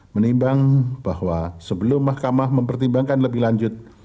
menimbang bahwa sebelum mahkamah mempertimbangkan lebih lanjut